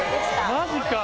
マジか！